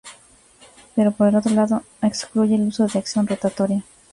Pero por el otro lado, excluye el uso de acción rotatoria.